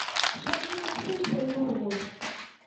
Son imaxes de Lugo.